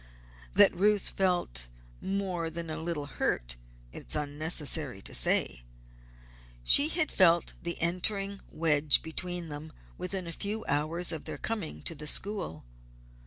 That Ruth felt more than a little hurt, it is unnecessary to say. She had felt the entering wedge between them within a few hours of their coming to the school.